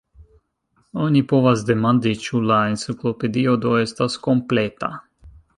Oni povas demandi, ĉu la Enciklopedio do estas kompleta?